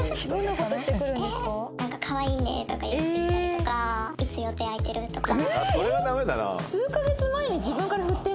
なんか「可愛いね」とか言ってきたりとか「いつ予定空いてる？」とか。